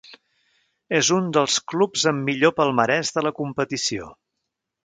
És un dels clubs amb millor palmarès de la competició.